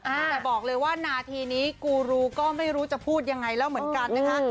แต่บอกเลยว่านาทีนี้กูรูก็ไม่รู้จะพูดยังไงแล้วเหมือนกันนะคะ